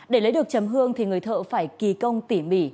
để lấy được trầm hương thì người thợ phải kì công tỉ mỉ